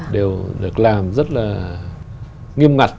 đều được làm rất là nghiêm ngặt